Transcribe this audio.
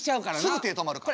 すぐ手止まるから。